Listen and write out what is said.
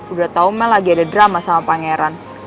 udah tau mel lagi ada drama sama pangeran